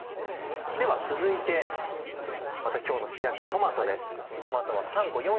では続いて今日の主役トマトです。